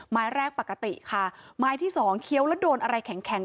ไม้แรกปกติค่ะไม้ที่สองเคี้ยวแล้วโดนอะไรแข็งแข็ง